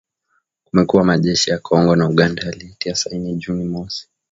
kumekuwa majeshi ya Kongo na Uganda yalitia saini Juni mosi